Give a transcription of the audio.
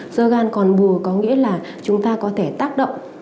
sơ gan còn bù có nghĩa là chúng ta có thể tác động